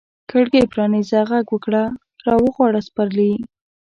کړکۍ پرانیزه، ږغ وکړه را وغواړه سپرلي